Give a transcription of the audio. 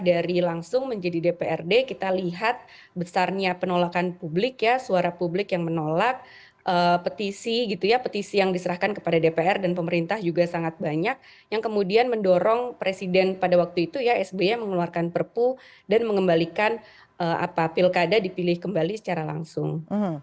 dari langsung menjadi dprd kita lihat besarnya penolakan publik ya suara publik yang menolak petisi gitu ya petisi yang diserahkan kepada dpr dan pemerintah juga sangat banyak yang kemudian mendorong presiden pada waktu itu ya sby mengeluarkan perpu dan mengembalikan apa pilkada dipilih kembali secara langsung